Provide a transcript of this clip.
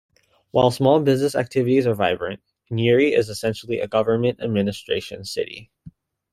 While small business activities are vibrant, Nyeri is essentially a government administration city.